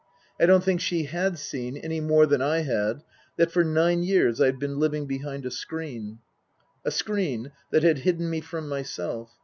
I don't think she had seen, any more than I had, that for nine years I had been living behind a screen. A screen that had hidden me from myself.